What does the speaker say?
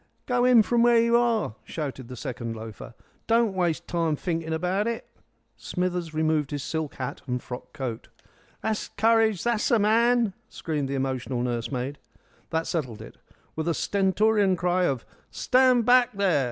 "Go in from where you are!" shouted the second loafer. "Don't waste time thinking abart it." Smithers removed his silk hat and frock coat. "That's couridge! That's a man!" screamed the emotional nursemaid. That settled it. With a stentorian cry of "Stand back, there!"